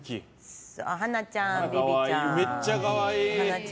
はなちゃん、ビビちゃん。